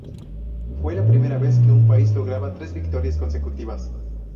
Fue la primera vez que un país lograba tres victorias consecutivas.